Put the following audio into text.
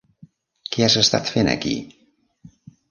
Què has estat fent aquí?